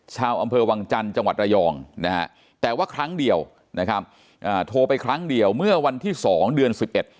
ชาวอำเภอวังจันทร์จังหวัดระยองนะฮะแต่ว่าครั้งเดียวนะครับอ่าโทรไปครั้งเดียวเมื่อวันที่สองเดือนสิบเอ็ด